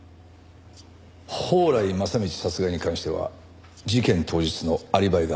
宝来正道殺害に関しては事件当日のアリバイがあった。